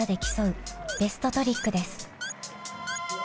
ベストトリックです。